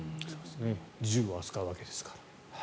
銃を扱うわけですから。